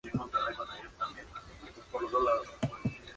Viven en parejas monógamas, junto con su descendencia.